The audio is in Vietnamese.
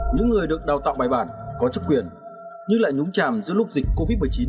những người được đào tạo bài bản có chức quyền nhưng lại nhúng chàm giữa lúc dịch covid một mươi chín